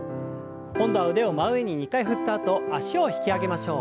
今度は腕を真上に２回振ったあと脚を引き上げましょう。